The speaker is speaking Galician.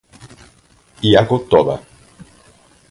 Iago Toba.